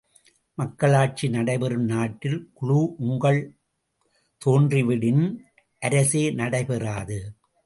மக்களாட்சி நடைபெறும் நாட்டில் குழூஉக்கள் தோன்றிவிடின் அரசே நடைபெறாது.